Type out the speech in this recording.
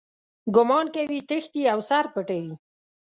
ګومان کوي تښتي او سر پټوي.